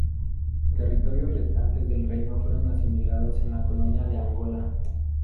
Los territorios restantes del reino fueron asimilados en la colonia de Angola.